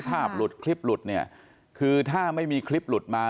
ภาพหลุดคลิปหลุดเนี่ยคือถ้าไม่มีคลิปหลุดมา